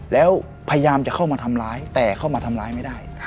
แล้วพยายามจะเข้ามาทำร้ายแต่เข้ามาทำร้ายไม่ได้